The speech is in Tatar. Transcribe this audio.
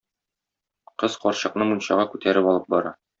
Кыз карчыкны мунчага күтәреп алып бара.